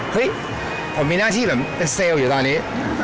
เฮ้ยผมมีหน้าที่แบบเป็นเซลล์อยู่ตอนนี้